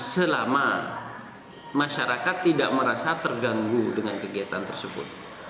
selama masyarakat tidak merasa terganggu dengan kegiatan tersebut